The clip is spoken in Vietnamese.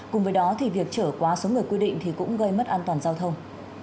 cùng với đó thì việc trở quá số người quy định thì cũng gây mất an toàn giao thông